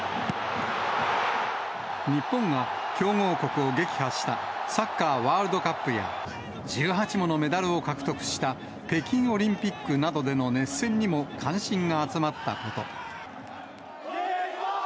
日本が強豪国を撃破したサッカーワールドカップや、１８ものメダルを獲得した北京オリンピックなどでの熱戦にも関心が集まったこと。